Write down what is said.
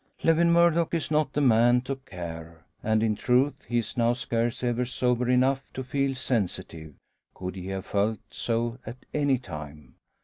Lewin Murdock is not the man to care; and, in truth, he is now scarce ever sober enough to feel sensitive, could he have felt so at any time.